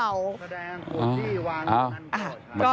กระแดงขวดที่วางตรงนั้นก็